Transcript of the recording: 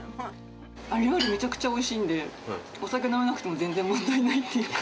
お料理、めちゃくちゃおいしいんで、お酒飲めなくても全然問題ないっていうか。